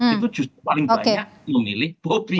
itu justru paling banyak memilih bobri